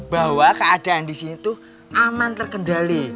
bahwa keadaan di sini itu aman terkendali